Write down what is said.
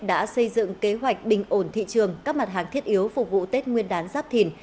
đã xây dựng kế hoạch bình ổn thị trường các mặt hàng thiết yếu phục vụ tết nguyên đán giáp thìn